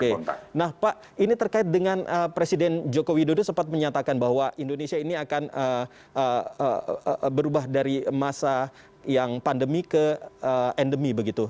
oke nah pak ini terkait dengan presiden joko widodo sempat menyatakan bahwa indonesia ini akan berubah dari masa yang pandemi ke endemi begitu